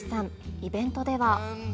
イベントでは。